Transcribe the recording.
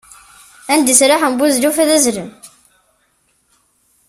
Anda sraḥen buzelluf ad azzlen.